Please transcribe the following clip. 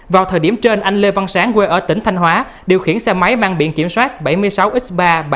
vào thời điểm trên anh lê văn sáng quê ở tỉnh thanh hóa điều khiển xe máy mang biện kiểm soát bảy mươi sáu x ba mươi bảy nghìn ba trăm chín mươi